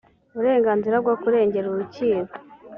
uburenganzira bwo kuregera urukiko